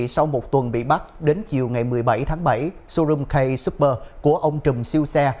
sau một tuần bị bắt đến chiều ngày một mươi bảy tháng bảy showroom kay super của ông trầm siêu xe